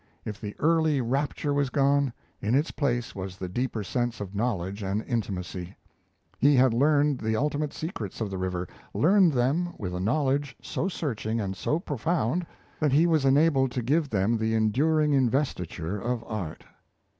If the early rapture was gone, in its place was the deeper sense of knowledge and intimacy. He had learned the ultimate secrets of the river learned them with a knowledge, so searching and so profound, that he was enabled to give them the enduring investiture of art.